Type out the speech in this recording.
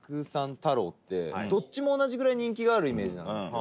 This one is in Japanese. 太郎ってどっちも同じぐらい人気があるイメージなんですよ。